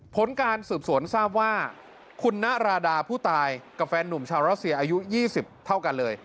ผลการสืบสวนทราบว่าคุณนราดาผู้ตายกับแฟนหนุ่มชาวรัสเซียอายุ๒๐เท่ากันเลย